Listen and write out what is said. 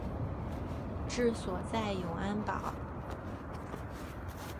治所在永安堡。